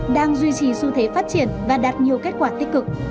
đang duy trì xu thế phát triển và đạt nhiều kết quả tích cực